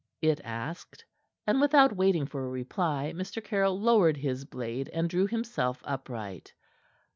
it asked, and without waiting for a reply, Mr. Caryll lowered his blade and drew himself upright.